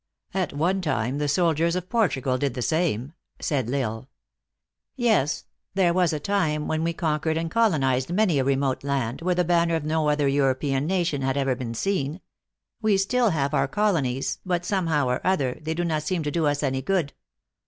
" At one time the soldiers of Portugal did the same," said L Isle. " Yes ; there was a time when we conquered and colonized many a remote land, where the banner of no other European nation had ever been seen. We still have our colonies, but, some how or other, they do not seem to do us any good."